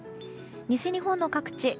西日本の各地